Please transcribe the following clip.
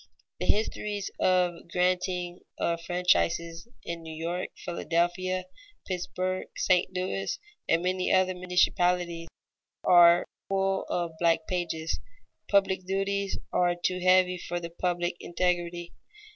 The histories of the granting of franchises in New York, Philadelphia, Pittsburg, St. Louis, and many other municipalities, are full of black pages. Public duties are too heavy for the public integrity.